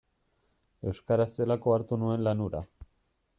Euskaraz zelako hartu nuen lan hura.